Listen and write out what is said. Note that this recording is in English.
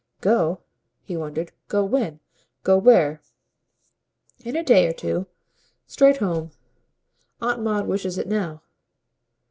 "'Go?'" he wondered. "Go when, go where?" "In a day or two straight home. Aunt Maud wishes it now."